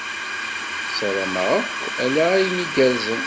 Ssarameɣ-ak ala ayen igerrzen.